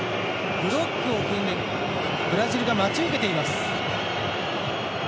ブロックを組んで、ブラジルが待ち受けています。